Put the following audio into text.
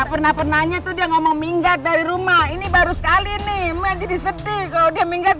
pernah pernahnya itu dia ngomong minggat dari rumah ini baru sekali nih menjadi sedih kalau dia minggat